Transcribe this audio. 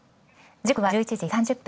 時刻は１１時３０分。